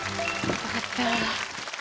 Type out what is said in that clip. よかった。